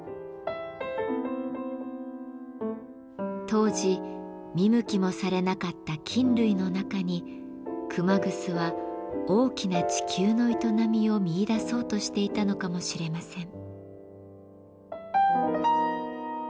当時見向きもされなかった菌類の中に熊楠は大きな地球の営みを見いだそうとしていたのかもしれません。